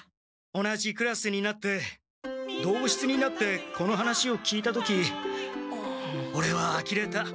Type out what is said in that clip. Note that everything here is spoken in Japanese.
同じクラスになって同室になってこの話を聞いた時オレはあきれた。